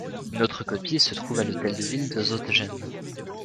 Une autre copie se trouve à l'hôtel de ville de Zottegem.